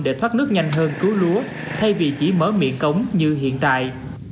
để thoát nước nhanh hơn cứu lúa thay vì chỉ mở miệng cống như hiện tại